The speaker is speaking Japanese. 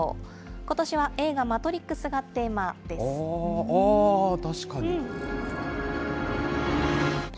ことしは映画、マトリックスがテ確かに。